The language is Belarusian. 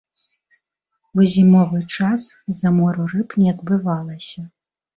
У зімовы час замору рыб не адбывалася.